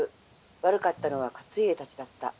悪かったのは勝家たちだった。